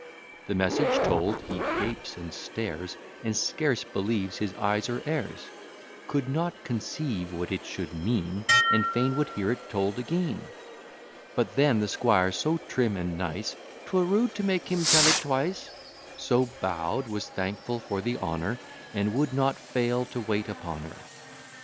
The message told, he gapes, and stares, And scarce believes his eyes or ears: Could not conceive what it should mean, And fain would hear it told again. But then the squire so trim and nice, 'Twere rude to make him tell it twice; So bow'd, was thankful for the honour; And would not fail to wait upon her.